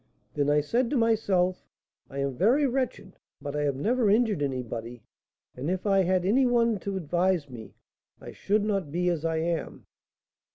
Then I said to myself, I am very wretched, but I have never injured anybody, and if I had any one to advise me I should not be as I am.